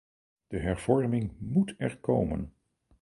De hervorming moet er komen.